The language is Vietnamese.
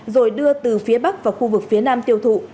rồi đưa từ phía bắc vào khu vực phía nam tiêu thụ